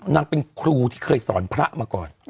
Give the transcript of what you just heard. นางเป็นครูที่เคยสอนพระมาก่อน